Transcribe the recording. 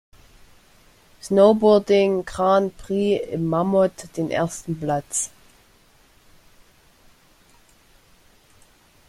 Snowboarding Grand Prix im Mammoth den ersten Platz.